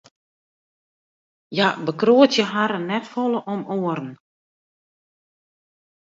Hja bekroadzje harren net folle om oaren.